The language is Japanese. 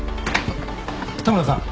田村さん